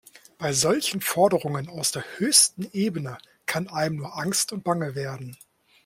Bei solchen Forderungen aus der höchsten Ebene kann einem nur angst und bange werden.